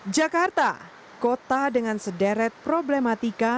jakarta kota dengan sederet problematika